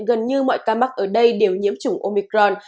gần như mọi ca mắc ở đây đều nhiễm chủng omicron